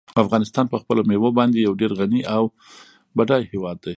افغانستان په خپلو مېوو باندې یو ډېر غني او بډای هېواد دی.